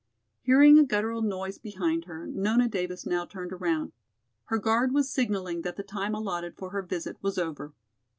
Hearing a guttural noise behind her, Nona Davis now turned around. Her guard was signaling that the time allotted for her visit was over.